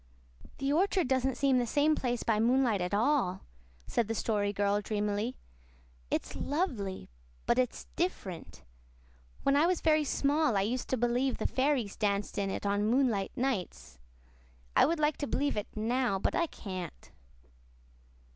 "The orchard doesn't seem the same place by moonlight at all," said the Story Girl dreamily. "It's lovely, but it's different. When I was very small I used to believe the fairies danced in it on moonlight nights. I would like to believe it now but I can't."